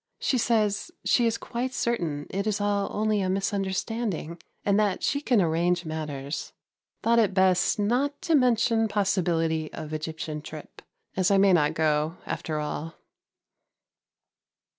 She says she is quite certain it is all only a misunderstanding and that she can arrange matters. Thought it best not to mention possibility of Egyptian trip, as I may not go, after all.